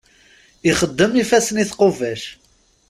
Ixeddem ifassen i tqubac.